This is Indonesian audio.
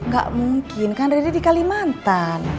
gak mungkin kan riri di kalimantan